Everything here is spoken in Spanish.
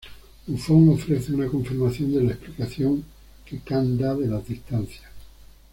Buffon ofrece una confirmación de la explicación que Kant da de las distancias.